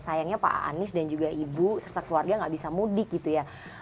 sayangnya pak anies dan juga ibu serta keluarga gak bisa mudik gitu ya